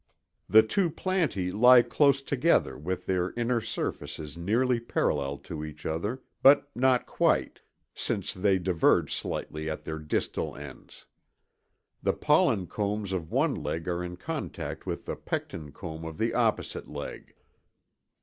(See fig. 7.) The two plantæ lie close together with their inner surfaces nearly parallel to each other, but not quite, since they diverge slightly at their distal ends. The pollen combs of one leg are in contact with the pecten comb of the opposite leg.